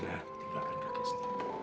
kamu sudah selesai